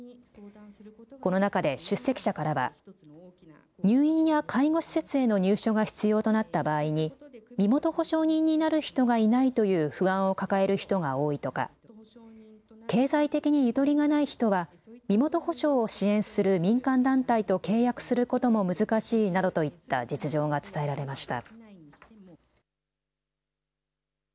この中で出席者からは入院や介護施設への入所が必要となった場合に身元保証人になる人がいないという不安を抱える人が多いとか、経済的にゆとりがない人は身元保証を支援する民間団体と契約することも難しいなどといった実情が伝えられました。